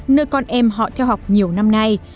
nơi con em họ theo học nhiều năm nay